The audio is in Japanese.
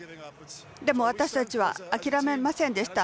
でも、私たちは諦めませんでした。